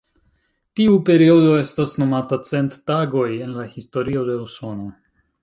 Tiu periodo estas nomata „cent tagoj” en la historio de Usono.